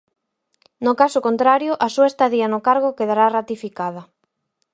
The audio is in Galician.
No caso contrario, a súa estadía no cargo quedará ratificada.